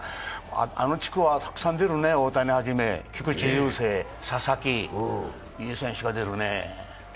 あの地区はいっぱい出るの、大谷翔平、菊池雄星、佐々木、いい選手が出るね。